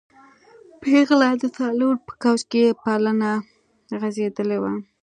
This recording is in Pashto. پېغله د سالون په کوچ کې پلنه غځېدلې وه.